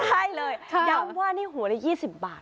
ใช่เลยยังว่านี่หัวได้๒๐บาท